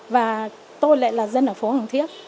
và tôi lại là dân ở phố hồng thiếp